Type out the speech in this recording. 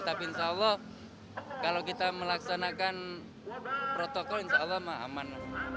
tapi insya allah kalau kita melaksanakan protokol insya allah aman